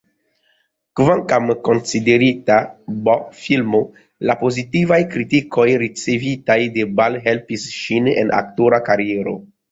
Kvankam konsiderita B-filmo, la pozitivaj kritikoj ricevitaj de Ball helpis ŝin en aktora kariero.